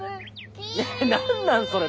何なんそれ！